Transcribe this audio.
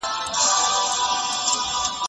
انا په ډېر ځير سره ماشوم ته کتل.